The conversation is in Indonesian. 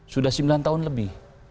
sudah sembilan tahun lebih